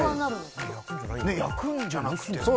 焼くんじゃなくて。